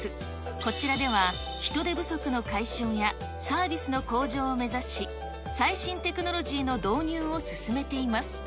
こちらでは、人手不足の解消や、サービスの向上を目指し、最新テクノロジーの導入を進めています。